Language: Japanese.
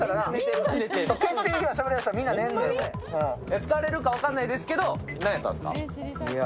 使われるか分からないですけど、何やったんですか？